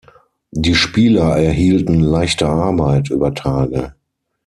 Die Spieler erhielten „leichte Arbeit“ über Tage.